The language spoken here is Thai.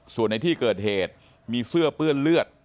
ส่วนในที่เกิดเหตุมีเสื้อเปื้อนเลือด